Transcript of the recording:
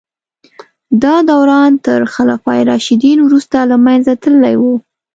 دا دوران تر خلفای راشدین وروسته له منځه تللی و.